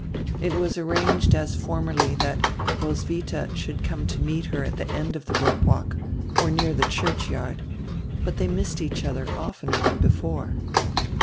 It was arranged as formerly that Roswitha should come to meet her at the end of the rope walk, or near the churchyard, but they missed each other oftener than before.